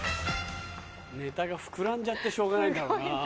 ネタが膨らんじゃってしょうがないからな。